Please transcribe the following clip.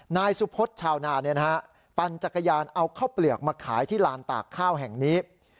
นายสุพศชาวนาปั่นจักรยานเอาข้าวเปลือกมาขายที่ลานตากข้าวแห่งนี้